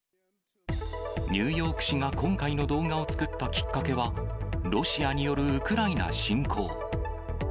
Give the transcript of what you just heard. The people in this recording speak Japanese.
ニューヨーク市が今回の動画を作ったきっかけは、ロシアによるウクライナ侵攻。